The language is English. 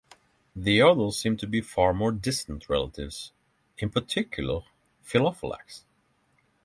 The others seem to be far more distant relatives, in particular "Pelophylax".